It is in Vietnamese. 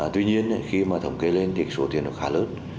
tuy nhiên khi mà thống kê lên thì số tiền nó khá lớn